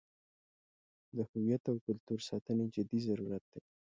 د هویت او کلتور ساتنې جدي ضرورت دی.